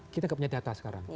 kita tidak punya data sekarang